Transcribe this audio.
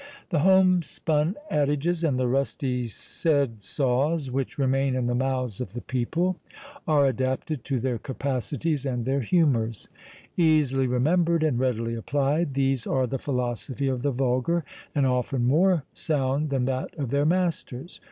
The home spun adages, and the rusty "sayed saws," which remain in the mouths of the people, are adapted to their capacities and their humours. Easily remembered, and readily applied, these are the philosophy of the vulgar, and often more sound than that of their masters!